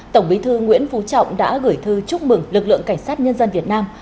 tổng bí thư nguyễn phú trọng đã gửi thư chúc mừng lực lượng cảnh sát nhân dân việt nam